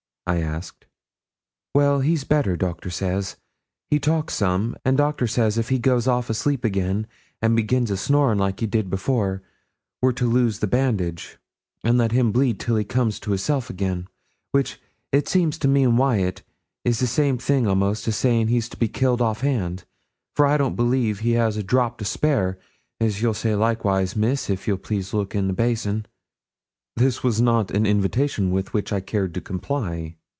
I asked. 'Well, he's better, doctor says; he talked some, and doctor says if he goes off asleep again, and begins a snoring like he did before, we're to loose the bandage, and let him bleed till he comes to his self again; which, it seems to me and Wyat, is the same thing a'most as saying he's to be killed off hand, for I don't believe he has a drop to spare, as you'll say likewise, Miss, if you'll please look in the basin.' This was not an invitation with which I cared to comply.